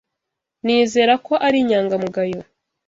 Nizera ko ari inyangamugayo.